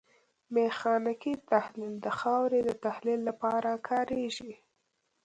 میخانیکي تحلیل د خاورې د تحلیل لپاره کاریږي